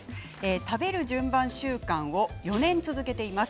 食べる順番習慣を４年続けています。